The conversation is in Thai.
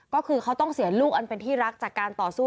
ก็คือเขาต้องเสียลูกอันเป็นที่รักจากการต่อสู้